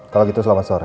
kalau gitu selamat sore